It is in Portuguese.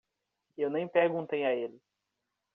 Eu nem perguntei a ele.